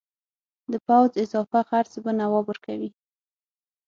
د پوځ اضافه خرڅ به نواب ورکوي.